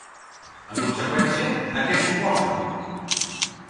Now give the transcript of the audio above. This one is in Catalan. En conseqüència, a què s'oposa?